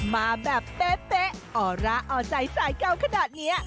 มาแบบเป๊ะออร่าออใจสายเก่าขนาดนี้